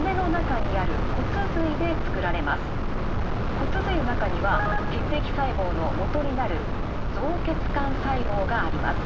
骨髄の中には血液細胞のもとになる造血幹細胞があります。